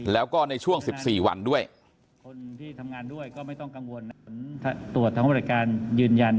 แล้วก็ในช่วง๑๔วันด้วย